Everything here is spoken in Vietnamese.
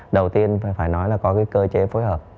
đầu tiên phải nói là có cái cơ chế phối hợp